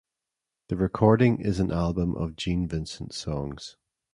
The recording is an album of Gene Vincent songs.